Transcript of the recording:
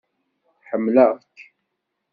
Ḥemmleɣ- k.